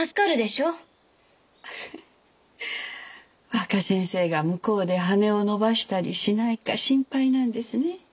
フフッ若先生が向こうで羽を伸ばしたりしないか心配なんですね。